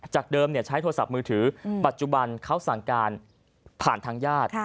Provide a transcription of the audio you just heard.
เดิมใช้โทรศัพท์มือถือปัจจุบันเขาสั่งการผ่านทางญาติ